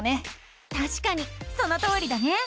たしかにそのとおりだね！